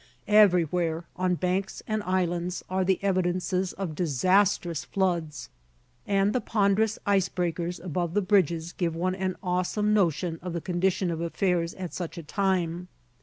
Everywhere, on banks and islands, are the evidences of disastrous floods, and the ponderous ice breakers above the bridges give one an awesome notion of the condition of affairs at such a time.